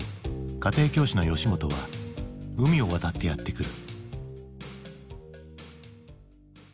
家庭教師の吉本は海を渡ってやって来る。